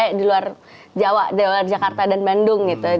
kayak di luar jawa di luar jakarta dan bandung gitu